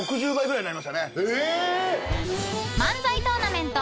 ［漫才トーナメント